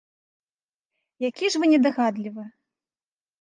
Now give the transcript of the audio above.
Які ж вы недагадлівы!